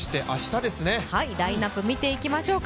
ラインナップ見ていきましょうか。